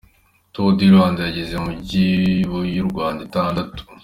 Tour du Rwanda yageze mu mijyi y’u Rwanda itandatu.